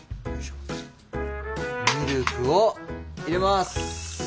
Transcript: ミルクを入れます。